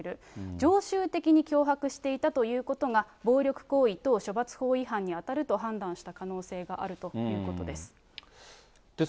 常習的に脅迫していたということが暴力行為等処罰法違反に当たると判断した可能性があるということです。